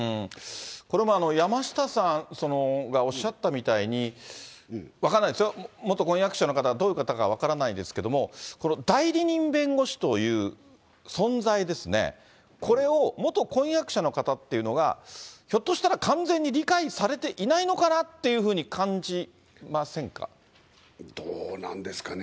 これも山下さん、おっしゃったみたいに、分からないですよ、元婚約者の方、どういう方か分からないですけれども、代理人弁護士という存在ですね、これを元婚約者の方っていうのが、ひょっとしたら完全に理解されていないのかなっていうふうに感じどうなんですかね。